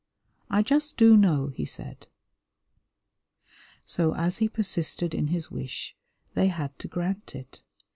"I just do know," he said. So as he persisted in his wish, they had to grant it.